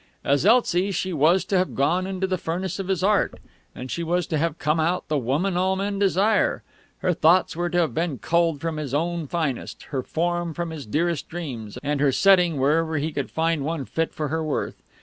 As Elsie she was to have gone into the furnace of his art, and she was to have come out the Woman all men desire! Her thoughts were to have been culled from his own finest, her form from his dearest dreams, and her setting wherever he could find one fit for her worth.